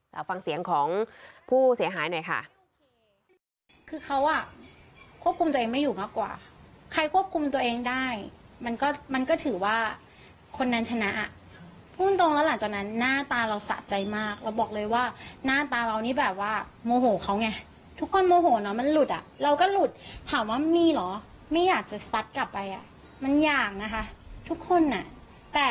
เอาฟังเสียงของผู้เสียหายหน่อยค่ะ